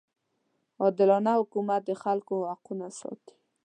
عادلانه حکومت د خلکو حقونه ساتي.